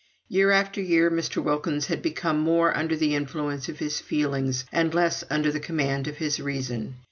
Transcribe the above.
Year after year Mr. Wilkins had become more under the influence of his feelings, and less under the command of his reason.